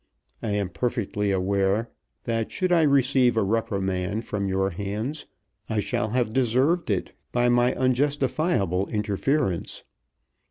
I am perfectly aware that should I receive a reprimand from your hands, I shall have deserved it by my unjustifiable interference.